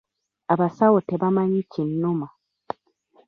Abasawo tebamanyi kinnuma.